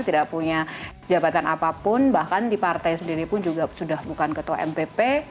tidak punya jabatan apapun bahkan di partai sendiri pun juga sudah bukan ketua mpp